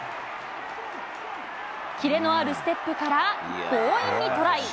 キレのあるステップから強引にトライ。